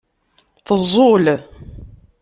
Teẓẓul.